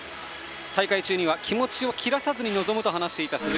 大会中には気持ちを切らさず臨むと話していました。